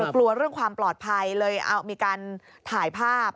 กลัวเรื่องความปลอดภัยเลยมีการถ่ายภาพ